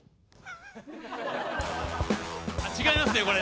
あ違いますねこれ。